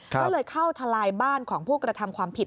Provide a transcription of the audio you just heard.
ก็เลยเข้าทลายบ้านของผู้กระทำความผิด